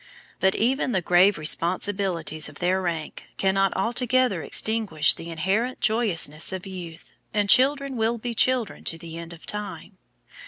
But even the grave responsibilities of their rank cannot altogether extinguish the inherent joyousness of youth, and children will be children to the end of time.